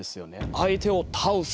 相手を倒す。